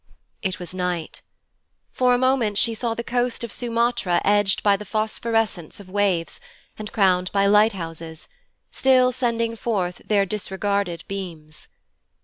It was night. For a moment she saw the coast of Sumatra edged by the phosphorescence of waves, and crowned by lighthouses, still sending forth their disregarded beams.